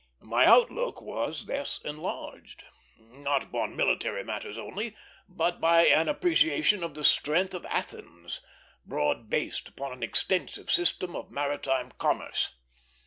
My outlook was thus enlarged; not upon military matters only, but by an appreciation of the strength of Athens, broad based upon an extensive system of maritime commerce.